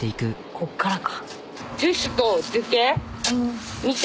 こっからか。